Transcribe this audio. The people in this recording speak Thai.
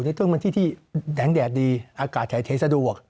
มันจะเป็นที่แหล่งแดดดีอากาศแถนสะดวก